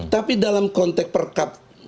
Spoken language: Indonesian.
tapi dalam konteks per kap